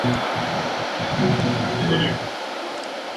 La geometría de los carbonos del triple enlace y sus sustituyentes es lineal.